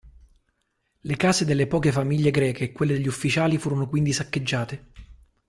Le case delle poche famiglie greche e quelle degli ufficiali furono quindi saccheggiate.